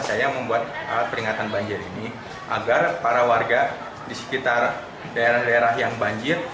saya membuat alat peringatan banjir ini agar para warga di sekitar daerah daerah yang banjir